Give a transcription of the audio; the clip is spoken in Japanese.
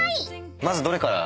まずどれから？